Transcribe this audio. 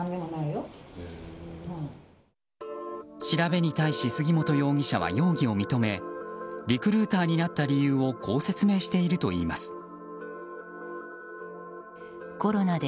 調べに対し杉本容疑者は容疑を認めリクルーターになった理由をこう説明しているといいます。